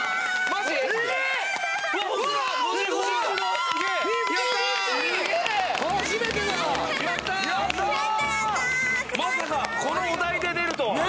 まさかこのお題で出るとは。